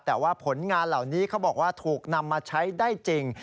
แต่ว่าผลงานเหล่านี้เขาบอกว่าถูกนำมาใช้ได้จริง